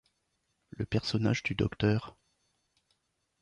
Le personnage du Dr.